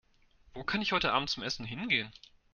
Wo kann ich heute Abend zum Essen hingehen?